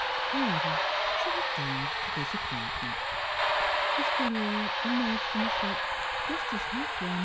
However, she was doomed to disappoint ment ; Miss Philura emerged from the shop just as her friend.